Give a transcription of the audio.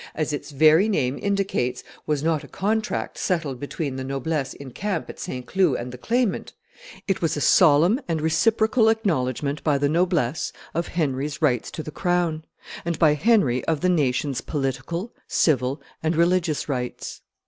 as its very name indicates, was not a contract settled between the noblesse in camp at St. Cloud and the claimant; it was a solemn and reciprocal acknowledgment by the noblesse of Henry's rights to the crown, and by Henry of the nation's political, civil, and religious rights.